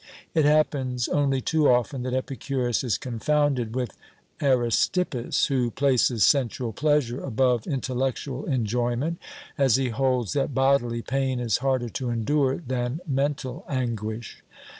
It happens only too often that Epicurus is confounded with Aristippus, who places sensual pleasure above intellectual enjoyment, as he holds that bodily pain is harder to endure than mental anguish.